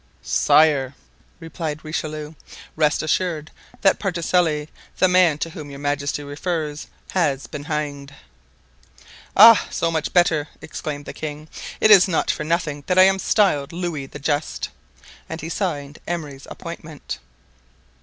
"Sire," replied Richelieu, "rest assured that Particelli, the man to whom your majesty refers, has been hanged." "Ah; so much the better!" exclaimed the king. "It is not for nothing that I am styled Louis the Just," and he signed Emery's appointment.